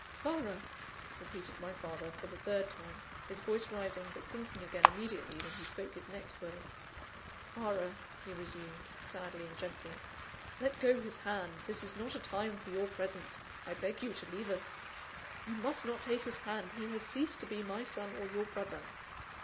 "Clara!" repeated my father, for the third time, his voice rising, but sinking again immediately when he spoke his next words, "Clara," he resumed, sadly and gently, "let go his hand; this is not a time for your presence, I beg you to leave us. You must not take his hand! He has ceased to be my son, or your brother.